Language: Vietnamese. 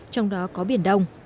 trong đó có biển đông